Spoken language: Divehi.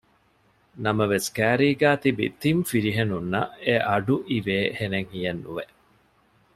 ނަމަވެސް ކައިރީގައި ތިބި ތިން ފިރިހެނުންނަށް އެއަޑު އިވޭ ހެނެއް ހިޔެއްނުވެ